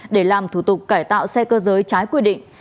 để làm thủ tục cải tạo xe cơ giới trái quy định